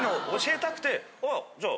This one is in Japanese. あじゃあ。